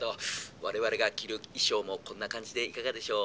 我々が着る衣装もこんな感じでいかがでしょう？